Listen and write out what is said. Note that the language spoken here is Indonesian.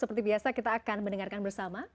seperti biasa kita akan mendengarkan bersama